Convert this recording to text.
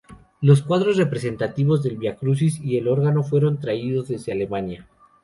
Los cuadros representativos del Vía Crucis y el órgano fueron traídos desde Alemania.